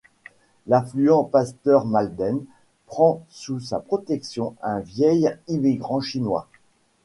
L'influent Pasteur Malden, prend sous sa protection un vieil immigrant chinois.